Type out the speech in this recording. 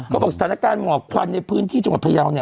เค้าบอกสถานการณ์หมอกควันในพื้นที่จังหวัดพยาว